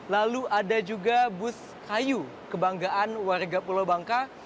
lalu ada juga bus kayu kebanggaan warga pulau bangka